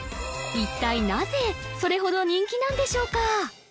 一体なぜそれほど人気なんでしょうか？